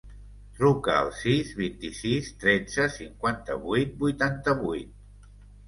Truca al sis, vint-i-sis, tretze, cinquanta-vuit, vuitanta-vuit.